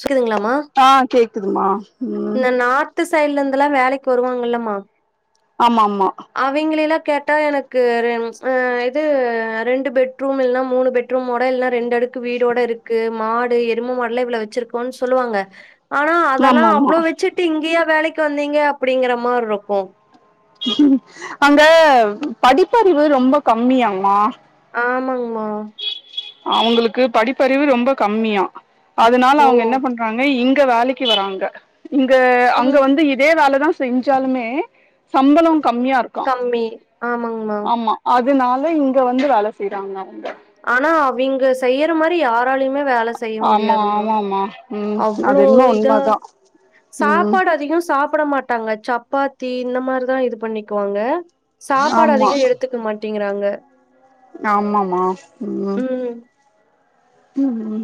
சொய்திங்களமா ஆ கேக்துமா இந்த நார்து சைட்ல இருந்துலா வேலைக்கு வருவாங்கலம்மா ஆமாம்மா அவிங்கிளேலா கேட்டா எனக்கு ச்சு இது ரெண்டு பெட் ரூம் இல்லேனா மூணு பெட் பெட்ரும்மோட இல்லனா ரெண்டு அடுக்கு வீடோட இருக்கு மாடு எரும மாடெலாம் இவ்ளோ வச்சுருகோன் சொல்லுவாங்க ஆனா ஆமா அதெல்லாம் ஆமா அவ்ளோ வச்சுட்டு இங்கேயா வேலைக்கு வந்தீங்க அப்படிங்கிற மாரி இருக்கும் அங்க படிப்பறிவு ரொம்ப கம்மியாமா ஆமங்மா அவங்களுக்கு படிப்பறிவு ரொம்ப கம்மியா அதனால ஓ! அவங்க என்ன பண் ராங்க இங்க வேலைக்கு வராங்க இங்க அங்க ம். வந்து இதே வேலை தான் செஞ்சாலுமே சம்பளம் கம்மியா இ கம்மி ஆமங்மா அதனால இங்க வந்து வேலை செய்யறாங்க அவங்க ஆனா அவிங்க செய்யற மாரி யாராலயுமே வேலை செய்ய ஆமா முடியாதுமா ஆமாமா ம் அது அவ்வளோ என்னமோ இதா உண்மதா ம் சாப்பாடு அதிகம் சாப் சாப்பிட மாட்டாங்க சப்பாத்தி இந்த மாரிதான் இது பண்ணிக்குவாங்க சாப்பாடு ஆமா அதிகம் எடுத்துக்க மாட் மாட்டிங்கிறாங்க ஆமாமா உம் ம். உம்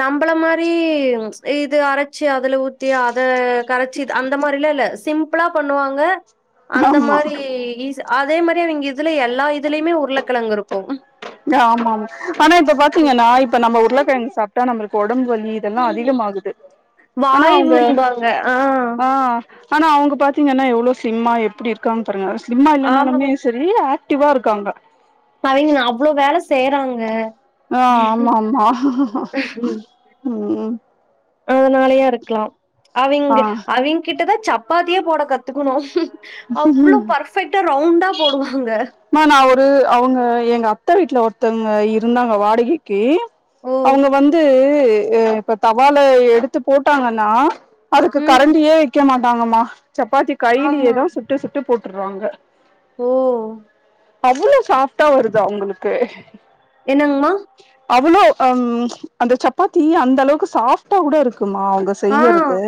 நம்பள மாறி ப்சு இது அரச்சு அதுல ஊத்தி அத கரச்சு அந்த மாறிலா இல்ல சிம்ப்ளா பண்ணுவாங்க அந்த ஆமா மாறி இஸ் அதே மாறி அவிங்க இதுல எல்லா இதுலயுமே உருளைகிழங்கு இருக்கும் அட ஆமாம் ஆனா இப்ப பாத்திங்கனா இப்ப நம்ம உருளைகிழங்கு சாப்டா நம்மளுக்கு உடம்பு வலி இதெல்லா அதிகமாகுது ஆனா அவுங்க வாய்வும்பாங்க. ஆ. ஆ ஆனா அவுங்க பாத்தீங்கன்னா எவ்ளோ ஸ்லிம்மா எப்டி இருக்காங்கனு பாருங்க ஸ்லிம்மா இல்லைனாலுமே ஆமாங்க. செரி ஆக்டிவா இருக்காங்க பையனுங்க அவ்ளோ வேலை செய்றாங்க ஆ உஹ்ன் உஹ்ன் ம்ம் அதனாலயா இருக்கலாம் அவிங் ஆ அவிங்க கிட்டதா சப்பாத்தியே போட கத்துகணும் அவ்ளோ ஃபர்பெக்டா ரவுண்டா போடுவாங்க மா நா ஒரு அவுங்க எங்க அத்தை வீட்ல ஒருத்தவங்க இருந்தாங்க வாடகைக்கு ஓ! அவுங்க வந்து ஹ் இப்ப தவால எடுத்து போட்டாங்கனா அதுக்கு ம். கரண்டியே வைக்க மாட்டாங்கம்மா சப்பாத்தி ஆமா. கையிலயேதான் சுட்டு சுட்டு போட்ருவாங்க ஓ அவ்ளோ சாஃப்டா வருது அவுங்களுக்கு என்னங்கம்மா அவ்வளோ ஹ அந்த சப்பாத்தி அந்த அளவுக்கு சாஃப்டா கூட இருக்குமா ஆ செய்யறது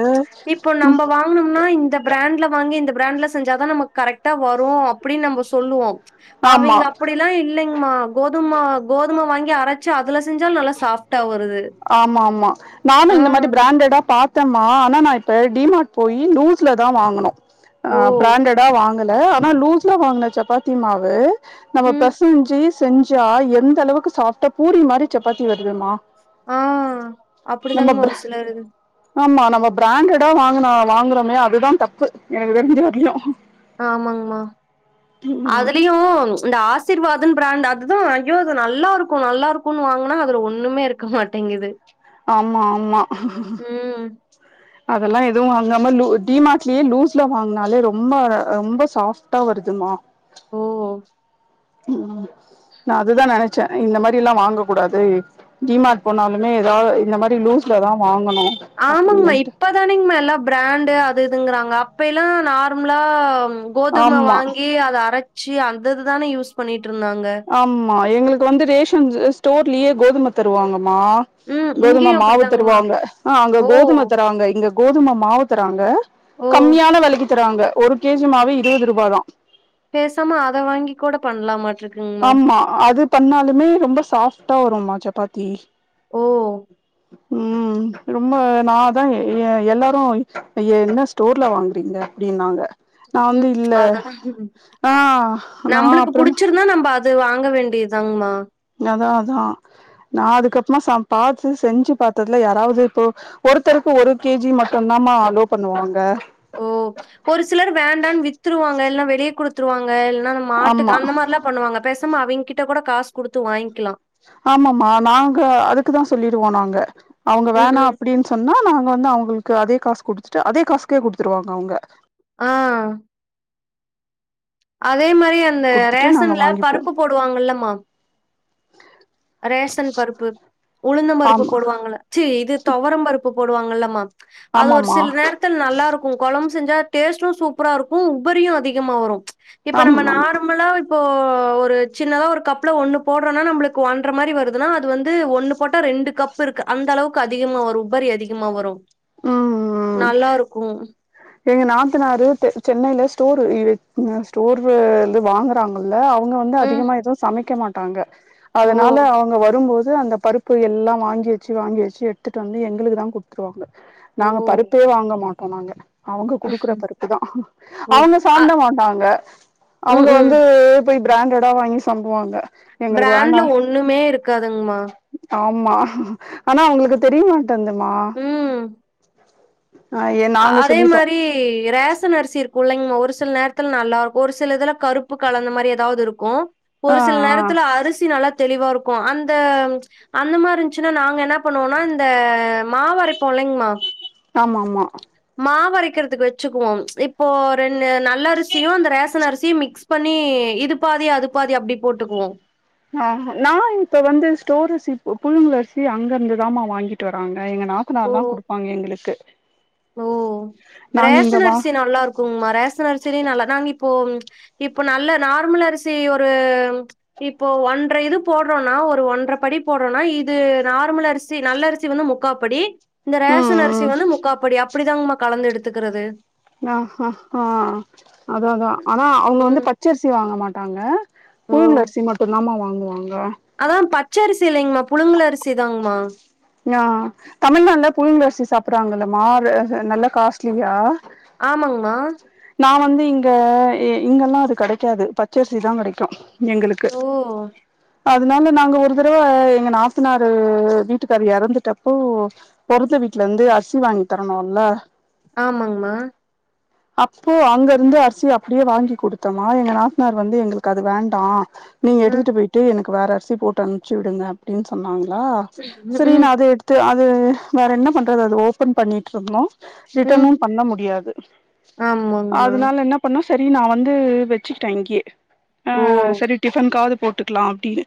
இப்போ உம் [unintelligible] இந்த பிராண்ட்ல வாங்கி இந்த பிராண்ட்ல செஞ்சாதான் நமக்கு கரெக்டா வரு அப்டினு நாம சொல்லுவோம் ஆமா அவிங்க அப்படியெல்லா இல் இல்லைங்கமா கோதும கோதும வாங்கி அரச்சு அதுல செஞ்சாலு நல்லா சாஃப்டா வருது ஆமா ஆமா நானு ஆ. இந்த மாரி பிராண்டடா பா த்தமா ஆனா நா இப்ப டி மார்ட் போய் லூஸ்ல தா வாங்குனோ அ ஓ! பிராண்டடா வாங் கல ஆனா லூஸ்ல வாங்குன சப்பாத்தி மாவு நாம ம். பெசஞ்சு செஞ்சா எந்த அளவுக்கு சாஃப்டா பூரி மாறி சப்பாத்தி வருதுமா ஆஹ் நம்ம அப்டிதாங்ம்மா பிர ஒரு சிலரு ஆமா நம்ம ப்ராண்டடா வாங்குனா வாங்குறோமே அதுதா தப்பு எனக்கு தெரிஞ்சு இதே அதிகோ ஆமாங்கமா ம் அதுலயு இந்த ஆசீர்வாதுனா பிராண்ட் அதுதா ஐயோ அது நல்லா இருக்கு நல்லா இருக்குன்னு வாங்குனா அதுல ஒண்ணுமே இருக்க மாட்டேங்குது ஆமா ஆமா ம். அதெல்லா எதுவு வாங்காம லு டி மாட்லயே லூஸ்ல வாங்குனாலே ரொம்ப ரொம்ப சாஃப்டா வருதுமா ஓ நா அதுதா நெனச்சே இந்த மாரிலா வாங்க கூடாது டி மார்ட் போனாலுமே எதா இந்த மாரி லூஸ்லதா வாங்கணு ஆமங்ம்மா அப்டின்ட்டு இப்ப தானுங்கம்மா எல்லா ப்ராண்டு அது இதுங்குறாங்க அப்பைலா நார்ம்லா கோதும ஆமா வாங்கி அத அரச்சு அந்திது தான யூஸ் பண்ணிட்ருந்தாங்க ஆமா எங்களுக்கு வந்து ரேஷன் ஸ்டோர்லயே கோதும தருவாங்கம்மா ம். கோதும இங்கேயும் மாவு அப்படிதாங்கம்மா. தருவாங்க ஆஹ் அங்க ஓ! கோதும தராங்க இங்க கோதும மாவு தராங்க ஓ! கம்மியான வெலைக்கி தராங்க ஒரு கே ஜி மாவே இருவது ரூபாதா பேசாம அத வாங்கி கூட பண்லாமாட்ருக்கு ஆமா அது பண்ணாலுமே ரொம்ப சாஃப்டா வருமா சப்பாத்தி ஓ ம் ரொம்ப நா தா எ எல்லாரு என்ன ஸ் ஸ்டோர்ல வாங்குறீங்க அப்டின்னாங்க நா வந்து ம் இல்ல அததா ஆ நா நம்பளுக்கு அப்புறம் புடுச்சிருந்தா நம்ப அ து வாங்க வேண்டியதாங்மா அதா அதா நா அதுக்கப்மா ச பாத்து செஞ்சு பாத்ததுல யாராவது இப்போ ஒருத்தருக்கு ஒரு கே ஜி மட்டுந்தாம்மா அலோ பண்ணுவாங்க ஓ ஒரு சிலர் வேண்டான் வித்துருவாங்க இல்ன்னா வெளிய குடுத்துருவாங்க இல்லன்னா அந்த ஆமா மாட்டுக்கு அந்த மாரிலா பண்ணுவாங்க பேசாம அவிங் கிட்ட கூட காசு குடுத்து வாங்கிக்கலா ஆமாமா நாங்க அதுக்குதா சொல்லிடுவோ நாங்க அவுங்க ம், வேணா ம். அப்புடின் சொன்னா நாங்க வந்து அவுங்களுக்கு அதே காசு குடுத்துட்டு அதே காசுக்கே குடுத்துருவாங்க அவுங்க ஆஹ் அதே மாரி அந்த குடுத்துட்டு நாங்க ரேஷன்ல வாங்கிப்போ பருப்பு போடுவாங்கல்லமா ரேஷன் பருப்பு உளுந்தம்பருப்பு ஆமா போடுவாங்கல்ல ச்சி இது தொவரம் பருப்பு போடுவாங்கல்லமா அது ஒரு ஆமாமா சில் நேர துல் நல்லா இருக்கு கொழம்பு செஞ்சா டேஸ்ட்டு சூப்பரா இருக்கு உபரியு அதிகமா வரு இப்ப நம்ம ஆமாமா நார்மலா இப்போ ஒரு சின்னதா ஒரு கப்ல ஒண்ணு போடுறோனா நம்ளுக் கு ஒண்ற மாரி வருதுனா அது வந்து ஒண்ணு போட்டா ரெண்டு கப்பு இருக்க அந்த அளவுக்கு அதிகமா வரு உபரி அதிகமா வரு ம் ம் நல்லா இருக்கு எங்க நாத்தனாரு தெ சென்னைல ஸ்டோரு இது அ ஸ்டோரு வந்து வாங்க றாங்கல்ல அவுங்க வந்து ம். அதிகமா எது சமைக்க மாட்டாங்க ஓ! அதனால அவுங்க வரும்போது அந்த பருப் ப்பு எல்லா வாங்கி வெச்சு வாங்கி வெச்சு எடாத்துட்டு வந்து எங்களுக்கு தா குட்த்துருவாங்க ஓ! நாங்க பருப்பே வாங்க மாட்டோ நாங்க அவுங்க குடுக்குற ம்ஹ்ம். பருப்பு தா ஓ! அவங்க அ சாப்ட மாட்டாங்க ம், அவுங்க ம். வந்து போயி பிராண்டடா வாங்கி சம்புவாங்க பிராண்ட்ல ஒண்ணுமே இருக்காதுங்மா ஆமா ஆனா அவுங்களுக்கு தெரியமாட்டேன்துமா ம் ஏ நாங்க அதே சொல்லிட்டோ மாரி ஏ ரேஷன் அரிசி இருக்குல்லைங்கிம்மா ஒரு சில நேரத்ல நல்லா இருக்கு ஒரு சில இதுல கருப்பு கலந்து மாரி ஏதாவது இருக்கு ஆ ஒரு சில ஆ நேரத்துல அரிசி நல்லா தெளிவா இருக்கு அந்த அந்த மாரி இருந்துச்சுன்னா நாங்க என்ன பண்ணுவோனா இந்த மாவரைப்போ இல்லைங்மா ஆமாமா மாவரைக்கற்துக்கு வச்சுக்குவோ இப்போ ரெண்டு நல்ல அரிசியு இந்த ரேசன் அரிசியு மிக்ஸ் பண்ணி இது பாதி அது பாதி அப்டி போட்டுக்குவோ ஆ நா இப்ப வந்து ஸ்டோர்ரிசி புழுங்கலரிசி அங்க இருந்துதாம வாங்கிட்டு வராங்க எங்க நா த்தனார் ஓ! தா குடுப்பாங்க எங்களுக்கு ஓ நாங்க இங்க ரேசன் வா அரிசி நல்லா இருக்குங்கமா ரேசன் அரிசிலயு நல்லா நாங்க இப்போ இப்போ நல்ல நார்மல் அரிசி ஒரு இப்போ ஒன்ர இது போட்றோன்னா ஒரு ஒன்ற படி போட்றோன்னா இது நார்மல் அரிசி நல்ல அரிசி வந்து மு முக்காப்படி இந்த ம் ரேசன் அரிசி ம் வந்து முக்காப்படி அப்டிதாங்ம்மா கலந்து எடுத்துக்கறது ஆஆஆ அதா அதா ஆனா அவங்க வந்து ம் பச்சரிசி வாங்க மாட்டாங்க புழுங்கரிசி மட்டு தாமா வாங்குவாங்க அதா பச்சரிசி இல்லைங்கம்மா புழுங்கலரிசிதாங்மா ஆ தமிழங்க புழுங்கலரிசி சாப்டுறாங்கல்லம்மா அது நல்ல காஸ்ட்லியா ஆமாங்ம்மா நா வந்து இங்க இங்கெல்லா அது கெடைக்காது பச்சரிசிதா கெடைக்கு எங்களுக்கு ஓ அதனால நாங்க ஒரு தடவ எங்க நாத்தனாறு வீட்டுக்காரு எறந்துட்டப்போ பொறந்த வீட்டல இந்து அரிசி வாங்கி தரணுல்ல ஆமாங்மா அப்போ அங்கருந்து அரிசி அப்டியே வாங்கி குடுத்தோமா எங்க நாத்தனார் வந்து எங்களுக்கு அது வேண்டா நீங்க அ, எடுத்துட்டு போய்ட்டு எனக்கு வேற அரிசி போட்டு அனுப்ச்சி விடுங்க அப்டின் சொன்னாங்ளா ம் சரி ம் நா அத எடுத் து அது வேற என்ன பண்றது அது ஓபன் பண்ணிட்ருந்தோ ம் ரிட்டனு பண்ண முடியாது ஆமாங்கம்மா அதனால என்ன பண்ணோ செரி நா வந்து வச்சுட்ட இங்கயே ஆ ஓ செரி டிஃபன்காது போட்டுக்லா அப்டினு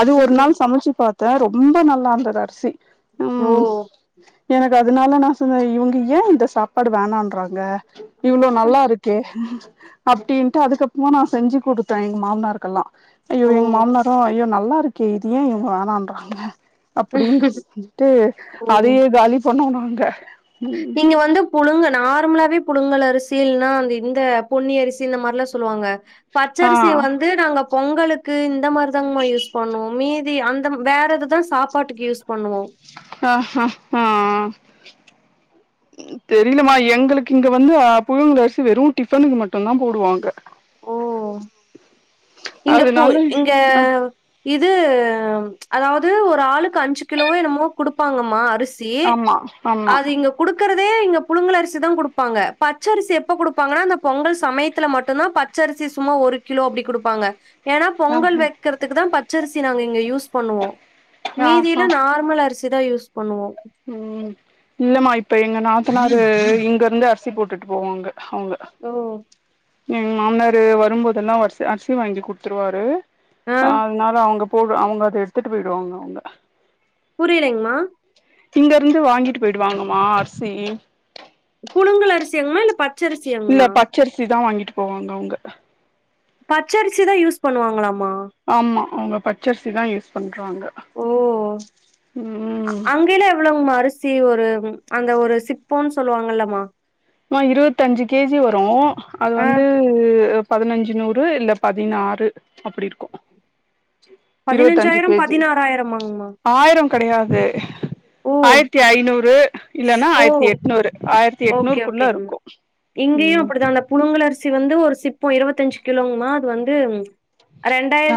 அது ம் ஒரு ம் நாள் சமச்சி பாத் த ரொம்ப நல்லாந்தது அரிசி ம் ஓ எனக்கு அதனால நா சொன்ன இவங்க ஏ இந்த சாப்பாடு வேணான்றாங்க இவ்ளோ நல்லா இருக்கே அப்டின்ட்டு அதுக்கப்றமா நா செஞ்சு குடுத்த எங்க மாமனாருக்கெல்லா ஐயோ ஓ எங்க மாமனாரு ஐயோ நல்லா இருக்கே இத ஏ இவங்க வேணான்றாங்க அப்டின்ட்டு ஓ அதையே காலி பண்ணோ நாங்க நீங்க வந்து புழுங்க நார்மலாவே புழுங்கல் அரிசி இல்னா அந்த இந்த பொன்னி அரிசி இந்த மாரிலா சொல்லுவாங்க ஆ பச்சரிசி வந் து நாங்க பொங்கலுக்கு இந்த மாரி தாங்மா யூஸ் பண்ணுவோ மீதி அந்த வேற எதுதா சாப்பாட்டுக்கு யூஸ் பண்ணுவோ ஆஹா ஆ தெரிலமா எங்களுக்கு இங்க வந்து புழுங்கல் அரிசி வெறு டிஃபனுக்கு மட்டுந்தா போடுவாங்க ஓ! இங்க பூ அதனால இங்க அ இது அதாவது ஒரு ஆளுக்கு அஞ்சு கிலோவோ என்னமோ குடுப்பாங்கம்மா அரிஸ் சி ஆமா ஆமா அது இங்க குடுக்கறதே இங்க புலுங்கல் அரிசி தா குடுப்பாங்க பச்ச அரிசி எப்ப குடுப்பாங்கன்னா அந்த பொங்கல் சமயத்துல மட்டுதா பத் பச்சரிசி சும்மா ஒரு கிலோ அப்டி குடுப்பாங்க ஏன்னா பொங்கல் ஆஹ வைக்றதுக்கு தா பச்சரிசி நாங்க இங்க யூஸ் பண்ணுவோ மீதியில ஆஹா நார்மல் அரிசி தா யூஸ் பண்ணுவோ ம் இல்லமா இப்ப எங்க நாத்தனாரு இங்க இருந்து அரிசி போட்டுட்டு போவாங்க அவங்க ஓ எங்க மாமன்னாரு வரும்போதெல்லா வரிச அரிசி வாங்கி குடுத்துருவாரு ஆ அ அதனால அவுங்க போகா அவுங்க அத எடுத்துட்டு போயிடுவாங்க அவங்க புரியலைங்மா இங்கருந்து வாங்கிட்டு போயிடுவாங்க மா அரிசி புழுங்கல் அரிசியாங்மா இல்ல பச்சரிசியங்மா பச்சரசி தா வாங்கிட்டு போவாங்க அவங்க பச்சரிசி தா யூஸ் பண்ணுவாங்களாமா ஆமா அவங்க பச்சரிசி தா யூஸ் பண்றாங்க, ஓ! ம் கிலோ எவ்வளவுங் மா அரிசி ஒரு அந்த ஒரு சிப்போன்னு சொல்லுவாங்கல்லமா மா இருவத்தஞ்சு கேஜி வரு அது ஆ வந்து பதினஞ்சு நூறு இல்ல பதினாறு அப்டி இருக்கு இருவத்தஞ்சு பதினஞ்சாயிரம் கேஜி பதினாறாயிரமாங்மா ஆயிரோ கடையாது ஆயரத்தி ஐநூறு இல்லனா ஆயரத்தி எட்நூறு ஆயரத்தி எட்நூறு ஓகேங் மா இங்கியு அப்டிதா புழுங்கல் அரிசி வந்து ஒரு சிப்போ இருவத்தஞ்சு கிலோங்மா அது வந்து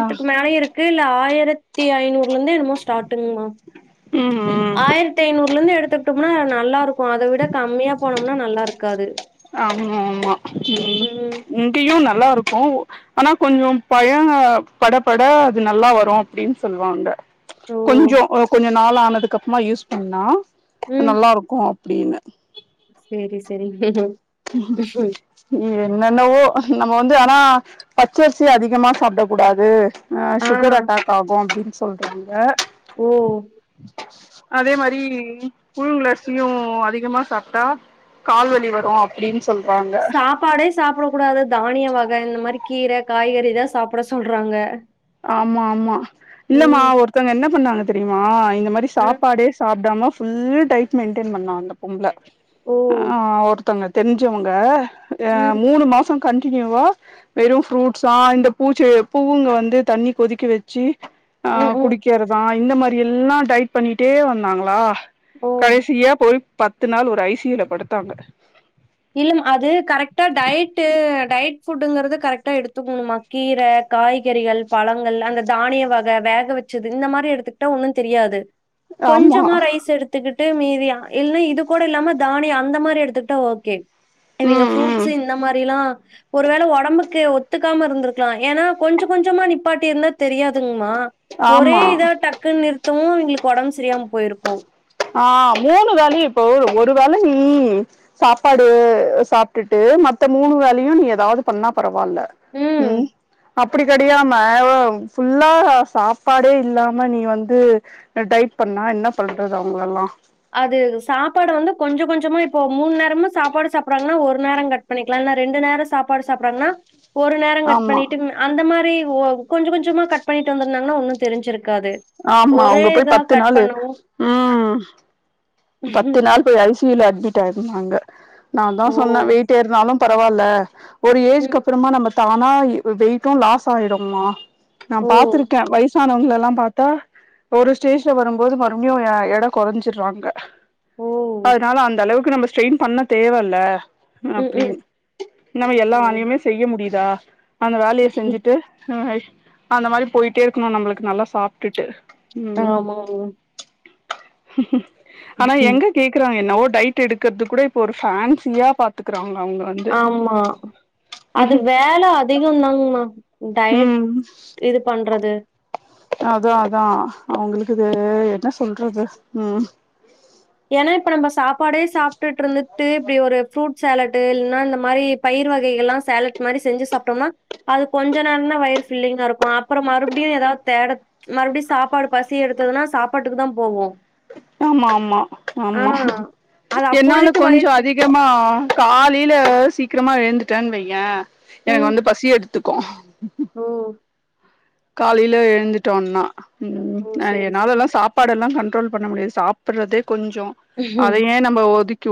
ஆ மேலயு இருக்கு இல்ல ஆயரத் தி ஐநூறுல இருந்து என்னமோ ஸ்டார்டுங் மா ம் ம் ஆயரத்தி ஐநூறுலருந்து எடுத்துகிட்ட ம்னா நல்லா இருக்கு அத விட கம்மியா போனோம்னா நல்லா இருக்காது ஆமா ஆமா ம் இங்கயு நல்லா இருக்கு ஆனா கொஞ்சோ பய பட பட அது நல்லா வரு அப்டின்னு சொல்லுவாங்க ஓ கொஞ்சோ ஒ கொஞ்ச நாள் ஆனதுக்கு அப்பமா யூஸ் பண்ணா நல்லாருக்கு அப்டின்னு சேரி சேரி ஹ ம் என்னென்னவோ நம்ம வந்து ஆனா பச்சரிசி அதிகமா சாப்ட கூடாது ஆ சுகர் அட்டாக் ஆகு அப்டின்னு சொல்றாங்க ஓ அதே மாரி புழுங்கலரிசியு அதிகமா சாப்ட்டா கால்வலி வரு அப்டினு சொல்றாங்க சாப்பாடே சாப்டக்க கூடாது தானிய வக இந்த மாரி கீர காய்கறி இதா சாப்ட சொல்றாங்க ஆமா ஆமா இல்லமா ம். ஒருத்தவங்க என்ன பண்ணாங்க தெரிமா இந்த மாரி அ. சாப்பாடே சாப்டாம ஃபுல் டைட் மெயின்டென் பண்ணா அந்த பொம்பள ஓ! ஆ ஒரு த்தங்க தெரிஞ்சவங்க ஏ ம். மூணு மா சம் கண்டினியூவா வெறு ப்ரூட்ஸா இந்த பூச்செ பூவுங்க வந்து தண்ணி கொதிக்க வச்சு ஆ ம், ம். குடி க்கிறதா இந்த மாரி எல்லா டைட் பண்ணிட்டே வந்தாங்களா ஓ! கடைசியா போய் பத்து நாள் ஒரு ஐ சி யூ ல படுத்தாங்க இல்லமா அது கரெக்ட்டா டயட்டு டயட் ஃபுட்டுங்குறது கரெக்ட்டா எடுத்துகுணு மா கீர காய்கறிகள் பழங்கள் அந்த தானிய வக வேக வச்சது இந்த மாரி எடுத்துக்கிட்டா ஒன்னு தெரியாது ஆமா கொஞ்சமா ரைஸ் எடுத்துக்கிட்டு மீதி ஆ இல்லன்னா இது கூட இல்லாம தானியம் அந்த மாரி எடுத்துக்கிட்டா ஓ கே நீங்க ம் ம் ஃப்ரூட்ஸ்சு இந்த மாரிலா ஒருவேள ஒடம்புக்கு ஒத்துக்காம இருந்துருக்கலா ஏனா கொஞ்ச கொஞ்சமா நிப்பாட்டிருந்தா தெரியாதுங்மா ஒரே ஆமா இதா டக்குன்னு நிறுத்தவு இவுங்ளுக்கு ஒடம்பு சரியாம போயிருக்கு ஆ மூணு வேளையு இப்போ ஒரு வேள நீ சாப்பாடு சாப்ட்டுட்டு மத்த மூணு வேளையு நீ எதாது பண்ணா பரவால்ல ம் அப்படி கெடையாம ஒ ஃபுல்லா சாப்பாடே இல்லாம நீ வந்து அ டைட் பண்ணா என்ன பண்றது அவுங்களெல்லா அது சாப்பாடு வந்து கொஞ்ச கொஞ்சமா இப்போ மூணு நேரமும் சாப்பாடு சாப்புட்றாங்கன்னா ஒரு நேரோ கட் பண்ணிக்கலா இல்லனா ரெண்டு நேரோ சாப்பாடு சாப்புட்றாங்கன்னா ஒரு நேரோ கட் ஆமா பண்ணிட்டு அந்த மாரி ஒ கொஞ்சோ கொஞ்சமா கட் பண்ணிட்டு வந்துருந்தாங்கன்னா ஒன்னு தெரிஞ்சிருக்காது ஆமா ஒரே அவங்க போய் இதா பத்து கட் நாளு பண்ணவும் ம் பத்து நாள் போய் ஐ சி யுல அட்மிட் ஆயிருந்தாங்க நான்தா ஓ! சொன்னே வெயிட் டே இருந்தாலு பரவால்ல ஒரு ஏஜுக்கு ம். அப்பறமா நம்ம சடன்னா வெயிட்டு லாஸாயிடமா நா ஓ! பாத்திருக்கேன வயசு னவங்கலேல்லா பாத்தா ஒரு ஸ்டேஜ்ல வரும்போது மறுபடியு எடை குறைஞ்சடுறாங்க ஓ! அதனால அந்த அளவுக்கு நம்ம ஸ்டெயின் பண்ண தேவல்ல ம். ம். அப்டின்னு நம்ம எல்லா ஓ! வேலையுமே செய்ய முடியுதா அந்த வேலைய செஞ்சுட்டு ஹய் அந்த மாரி போயிட்டே இருக்கணு நம்மளுக்கு நல்லா சாப்ட்டுட்டு ம் ஆமாங்க. ஆனா எங்க கேக்கறாங்க என்னவோ டைட் எடுக்கறது கூட இப்ப ஒரு ஃபேன்சியா பாக் குறாங்க அவுங்க வந்து ஆமா அது வேல அதிகம் தாங்ங்கமா டயட் ம் இது பண்றது அதா அதா அவங்களுக்கு இது என்ன சொல்றது ம் ஏனா இப்ப நம்ம சாப்பாடே சாப்ட்டுட்ருந்து ட்டு இப்டி ஒரு ஃப்ரூட் சேலட்டு இல்ன்னா இந்த மாரி பயிறு வகைகள்லா சேலட் மாரி செஞ்சு சாப்ட்டோன்னா அது கொஞ்ச நேரோ தா வயிறு ஃபில்லிங்கா இருக்கு அப்பறோ மறுபடியு எதாவது தேட மறுபடியு சாப்பாடு பசி எடுத்ததுன்னா சாப்பாட்டுக்கு தா போவோ ஆமா ஆமா ஆமா அது என்னால அப்பொழுதைக்கு கொஞ்சோ வயிறு அதி கமா காலேல சீக்கிரமா எழுந்துட்டேன்னு வையே எனக்கு வந்து பசி எடுத் துக்கு ம் காலேயில எழுந்துட்டோன்னா ம் ஓ! நறைய சரி, நாலேல்லா சாப் பாடெல்லா கண்ட்ரோல் பண்ண முடியாது சாப்படுறதே கொஞ்சோ சரி. அதையே நம்ம ஒதிக்கி